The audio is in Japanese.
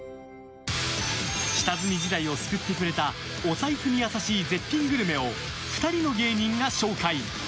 下積み時代を救ってくれたお財布に優しい絶品グルメを２人の芸人が紹介。